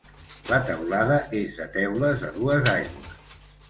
La teulada és de teules a dues aigües.